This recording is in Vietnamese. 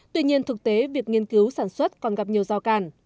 tuy nhiên thực tế việc nghiên cứu sản xuất còn gặp nhiều giao càn